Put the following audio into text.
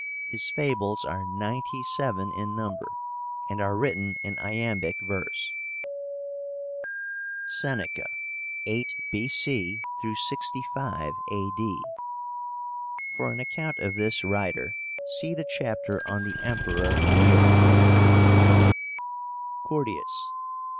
His fables are ninety seven in number, and are written in iambic verse. SENECA (8 B.C. 65 A.D.) For an account of this writer see the chapter on the Emperor Nero, page 189. CURTIUS.